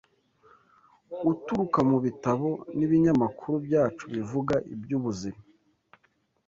uturuka mu bitabo n’ibinyamakuru byacu bivuga iby’ubuzima.